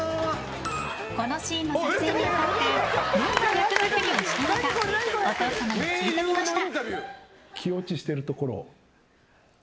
このシーンの撮影に当たってどんな役作りをしたのかお父様に聞いてみました。